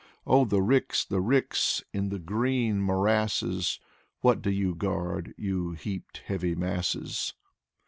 Oh, the ricks, the ricks, In the green morasses. What do you guard: You heaped, heavy masses?